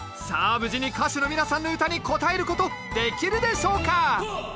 さあ無事に歌手の皆さんの唄に応えることできるでしょうか？